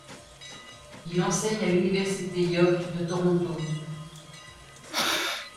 Il enseigne à l'université York de Toronto.